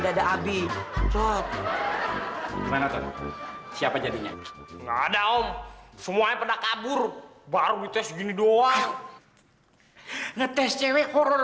dada abi siapa jadinya ada om semuanya pernah kabur baru itu segini doang ngetes cewek horror